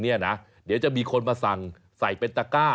เดี๋ยวจะมีคนมาสั่งใส่เป็นตะก้า